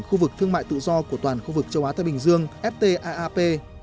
khu vực châu á thái bình dương ft aap